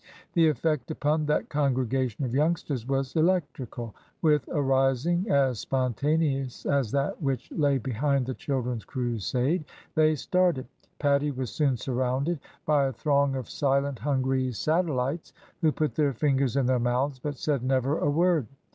The effect upon that congregation of youngsters was electrical. With a rising as spontaneous as that which lay behind the Children's Crusade, they started. Pattie was soon surrounded by a throng of silent, hungry satel lites who put their fingers in their mouths, but said never a word.